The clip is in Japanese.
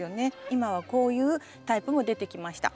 今はこういうタイプも出てきました。